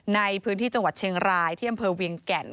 ในพื้นที่จังหวัดเชียงรายที่อำเภอเวียงแก่น